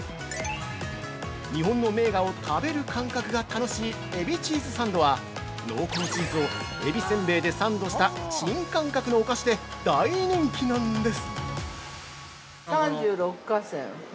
日本の名画を食べる感覚が楽しいエビチーズサンドは、濃厚チーズをエビせんべいでサンドした新感覚のお菓子で大人気なんです！